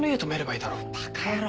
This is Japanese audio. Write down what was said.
バカ野郎。